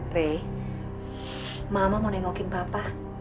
re mama mau nengokin papa